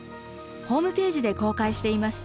ホームページで公開しています。